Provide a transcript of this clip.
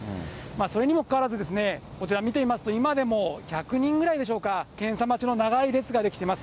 それにもかかわらずですね、こちら見てみますと、今でも１００人ぐらいでしょうか、検査待ちの長い列が出来てます。